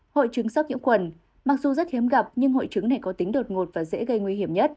hội trứng sắc nhiễm khuẩn mặc dù rất hiếm gặp nhưng hội trứng này có tính đột ngột và dễ gây nguy hiểm nhất